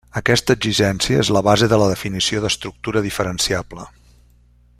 Aquesta exigència és la base de la definició d'estructura diferenciable.